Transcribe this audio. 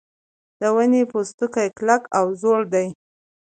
د ونې پوستکی کلک او زوړ دی.